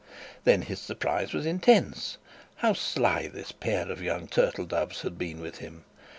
Then his surprise was intense. How sly the pair of young turtle doves had been with him.